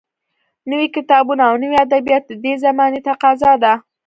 نوي کتابونه او نوي ادبیات د دې زمانې تقاضا ده